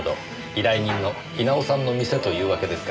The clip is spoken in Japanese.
依頼人の稲尾さんの店というわけですか。